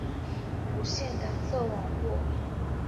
无线感测网路。